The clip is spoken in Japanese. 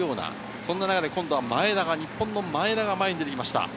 そんな中で日本の前田が前に出てきました。